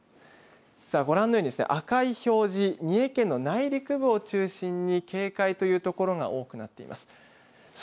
ご覧のように赤い表示三重県の内陸部を中心に警戒というところが多くなっています。